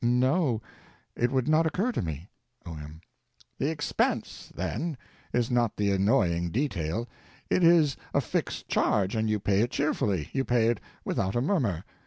No, it would not occur to me. O.M. The expense, then, is not the annoying detail. It is a fixed charge, and you pay it cheerfully, you pay it without a murmur.